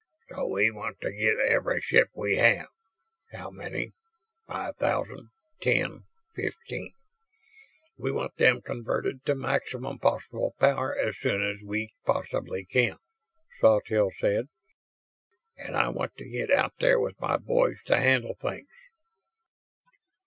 "So we want to get every ship we have. How many? Five thousand? Ten? Fifteen? We want them converted to maximum possible power as soon as we possibly can," Sawtelle said. "And I want to get out there with my boys to handle things."